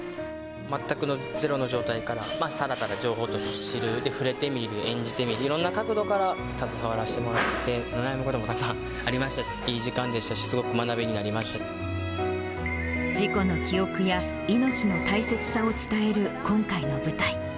全くのゼロの状態から、ただただ情報として知れて、触れてみる、演じてみる、いろんな角度から携わらせてもらって、悩むこともたくさんありましたし、いい時間でしたし、すごく学びに事故の記憶や、命の大切さを伝える今回の舞台。